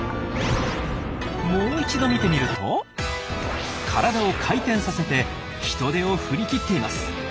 もう一度見てみると体を回転させてヒトデを振り切っています。